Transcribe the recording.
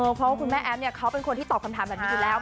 เพราะว่าคุณแม่แอฟเขาเป็นคนที่ตอบคำถามแบบนี้อยู่แล้ว